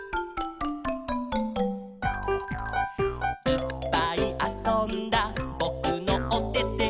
「いっぱいあそんだぼくのおてて」